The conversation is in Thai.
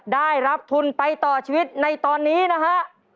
ได้รับทุนไปต่อชีวิตในตอนนี้นะฮะ